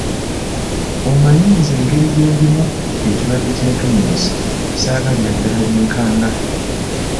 Omanyi nze engeri gye ndimu ekirwadde ky’entunnunsi saagalira ddala binkanga.